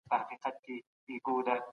موږ ته په کار ده چي پر مځکي عدل قایم کړو.